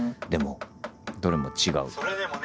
でもどれも違うって。